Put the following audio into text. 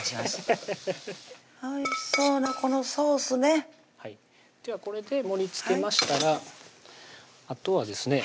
ハハハハッおいしそうなこのソースねではこれで盛りつけましたらあとはですね